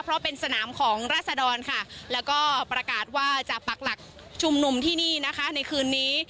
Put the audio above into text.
เพราะเป็นสนามของราศดรค่ะแล้วก็ประกาศว่าจะปักหลักชุมนุมที่นี่นะคะในคืนนี้